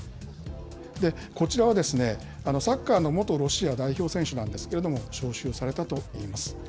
こちらは、サッカーの元ロシア代表選手なんですけれども、召集されたといいます。